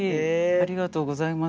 ありがとうございます。